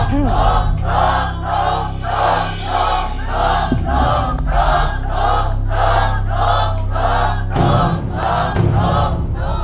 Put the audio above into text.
ถูก